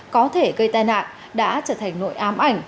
có thể gây tai nạn đã trở thành nội ám ảnh